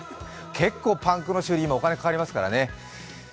結構、パンクの修理、今、お金かかりますからね。